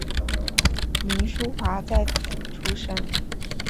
凌叔华在此出生。